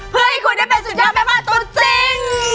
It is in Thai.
เพื่อให้คุณได้เป็นสุดยอดแม่บ้านตัวจริง